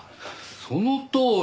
そのとおり！